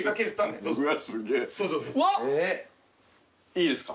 いいですか。